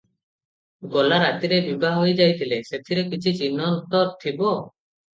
ଗଲା ରାତିରେ ବିଭା ହୋଇ ଯାଇଥିଲେ ସେଥିର କିଛି ଚିହ୍ନ ତ ଥିବ ।"